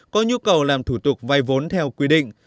có nhu cầu làm thủ tục vay vốn theo quy định